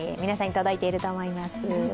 皆さんに届いていると思います。